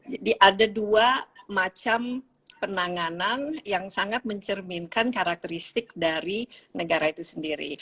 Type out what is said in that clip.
jadi ada dua macam penanganan yang sangat mencerminkan karakteristik dari negara itu sendiri